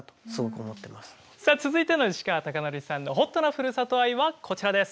さあ続いての西川貴教さんのＨＯＴなふるさと愛はこちらです。